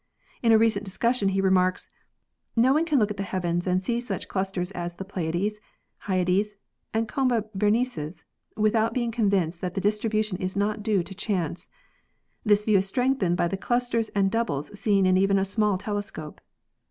In a recent discussion he remarks : "No one can look at the heavens and see such clusters as the Pleiades, Hyades and Coma Berenices without being convinced that the distribution is not due to chance. This view is strengthened by the clusters and doubles seen in even a small telescope.